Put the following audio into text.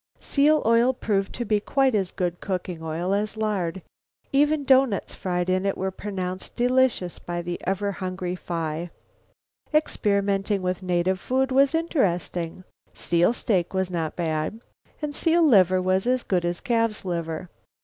Seal oil proved to be quite as good cooking oil as lard. Even doughnuts fried in it were pronounced delicious by the ever hungry Phi. Experimenting with native food was interesting. Seal steak was not bad, and seal liver was as good as calf's liver.